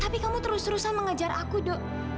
tapi kamu terus terusan mengejar aku dok